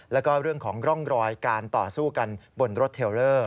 แล้วก็เรื่องของร่องรอยการต่อสู้กันบนรถเทลเลอร์